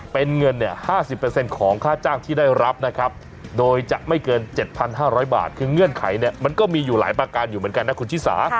เป็นเงิน๕๐ของค่าจ้างที่ได้รับนะครับโดยจะไม่เกิน๗๕๐๐บาทคือเงื่อนไขเนี่ยมันก็มีอยู่หลายประการอยู่เหมือนกันนะคุณชิสา